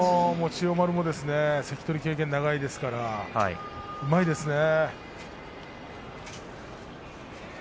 千代丸も関取経験が長いですから、うまいですね。